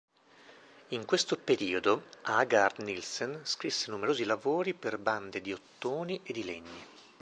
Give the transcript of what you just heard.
In questo periodo Aagaard-Nilsen scrisse numerosi lavori per bande di ottoni e di legni.